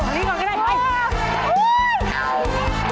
นิดเดียว